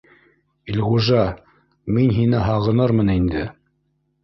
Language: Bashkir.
Илғужа, мин һине һағынырмын инде